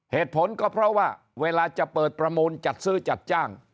เหตุผลก็เพราะว่าเวลาจะเปิดประมูลจัดซื้อจัดจ้าง